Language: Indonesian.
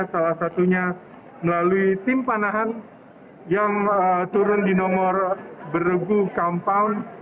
salah satunya melalui tim panahan yang turun di nomor beregu compound